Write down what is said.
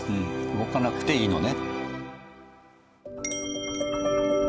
動かなくていいのね。